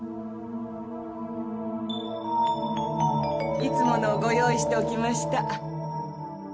いつものをご用意しておきました。